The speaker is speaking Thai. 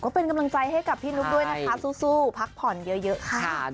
ก็เป็นกำลังใจให้กับพี่นุ๊กด้วยนะคะสู้พักผ่อนเยอะค่ะ